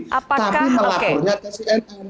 tapi melaporkannya ada cnn